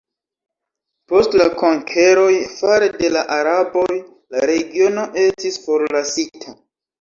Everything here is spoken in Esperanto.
Post la konkeroj fare de la araboj la regiono estis forlasita.